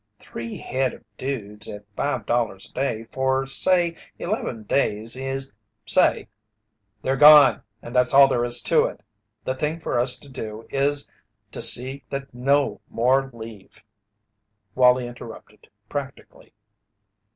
"Three head of dudes at $5.00 a day for, say, eleven days is, say " "They're gone and that's all there is to it. The thing for us to do is to see that no more leave," Wallie interrupted practically.